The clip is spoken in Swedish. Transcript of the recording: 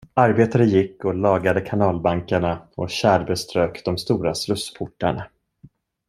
Arbetare gick och lagade kanalbankarna och tjärbeströk de stora slussportarna.